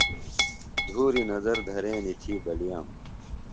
دھوری نظر دھرینیۡ تھی بلِییم۔